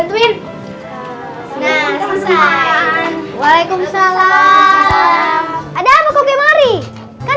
walaikumsalam ada apa koke mari kan